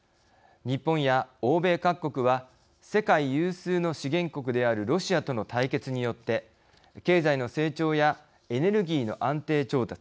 日本や欧米各国は世界有数の資源国であるロシアとの対決によって経済の成長やエネルギーの安定調達。